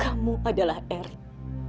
kamu adalah erik